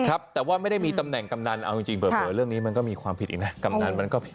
ครับแต่ว่าไม่ได้มีตำแหน่งกำนันเอาจริงเผลอเรื่องนี้มันก็มีความผิดอีกนะกำนันมันก็ผิด